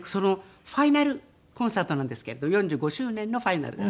ファイナルコンサートなんですけれど４５周年のファイナルです。